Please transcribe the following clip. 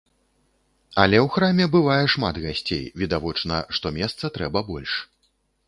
Але ў храме бывае шмат гасцей, відавочна, што месца трэба больш.